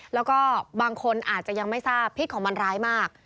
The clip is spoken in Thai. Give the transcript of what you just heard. แล้วก็บางคนอาจจะยังไม่ทราบพิษของมันร้ายมาก